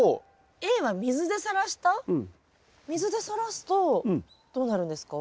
水でさらすとどうなるんですか？